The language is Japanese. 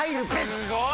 すごい。